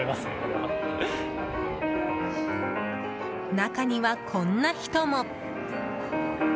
中には、こんな人も。